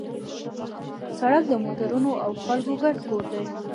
سړک د موټرونو او خلکو ګډ کور دی.